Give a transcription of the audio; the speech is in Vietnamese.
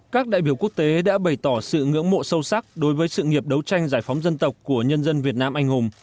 các đại biểu quốc tế đã bày tỏ sự ngưỡng mộ sâu sắc đối với sự nghiệp đấu tranh giải phóng dân tộc của nhân dân việt nam anh hùng